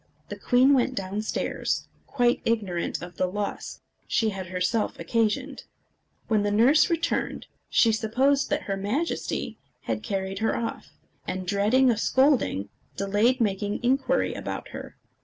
The queen went down stairs, quite ignorant of the loss she had herself occasioned. When the nurse returned, she supposed that her Majesty had carried her off, and, dreading a scolding, delayed making inquiry about her.